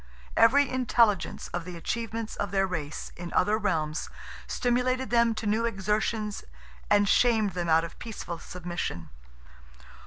Every intelligence of the achievements of their race in other realms stimulated them to new exertions and shamed them out of peaceful submission.